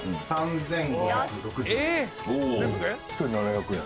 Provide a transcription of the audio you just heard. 一人７００円。